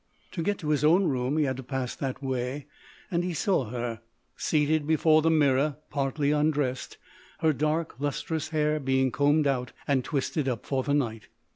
To get to his own room he had to pass that way; and he saw her, seated before the mirror, partly undressed, her dark, lustrous hair being combed out and twisted up for the night.